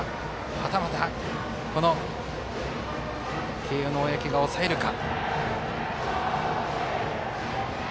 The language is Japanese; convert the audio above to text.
はたまた慶応の小宅が抑えるか。